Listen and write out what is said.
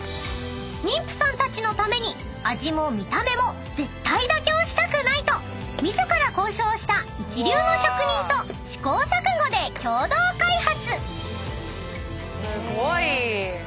［妊婦さんたちのために味も見た目も絶対妥協したくないと自ら交渉した一流の職人と試行錯誤で共同開発］